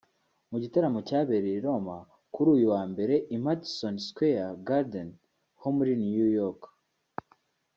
Mu gitaramo cyabereye i Roma kuri uyu wa Mbere i Madison Square Garden ho muri New York